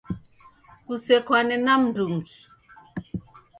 Kusekwane na mndungi